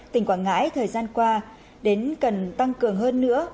tỉnh quảng ngãi thời gian qua đến cần tăng cường hơn nữa